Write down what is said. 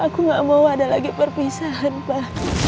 aku gak mau ada lagi perpisahan pak